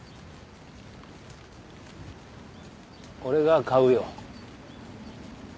俺が買うよ